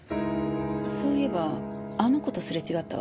そういえばあの子とすれ違ったわ。